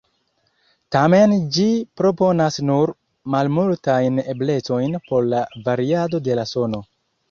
Tamen ĝi proponas nur malmultajn eblecojn por la variado de la sono.